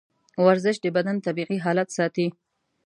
ورزش د بدن طبیعي حالت ساتي.